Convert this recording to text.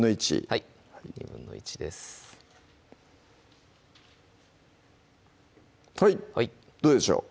はいどうでしょう？